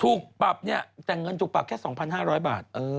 ถูกปรับเนี่ยแต่เงินถูกปรับแค่๒๕๐๐บาท